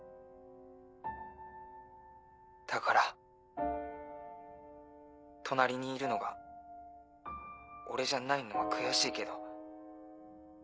だから隣にいるのが俺じゃないのは悔しいけど。